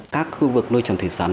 các khu vực nuôi trồng thủy sản